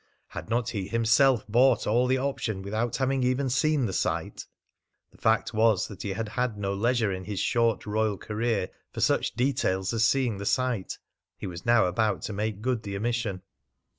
Had not he himself bought all the option without having even seen the site? The fact was that he had had no leisure in his short royal career for such details as seeing the site. He was now about to make good the omission.